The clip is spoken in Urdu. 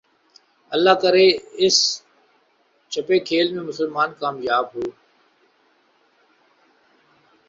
اللہ کرے اس چھپے کھیل میں مسلمان کامیاب ہو